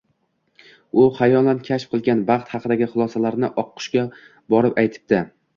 U xayolan kashf qilgan baxt haqidagi xulosalarini oqqushga borib aytibdi